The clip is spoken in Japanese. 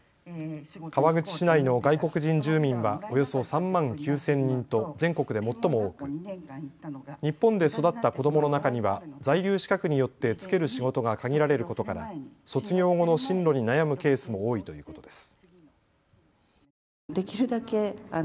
川口市内の外国人住民はおよそ３万９０００人と全国で最も多く日本で育った子どもの中には在留資格によって就ける仕事が限られることから卒業後の進路に悩むケースも多いということです。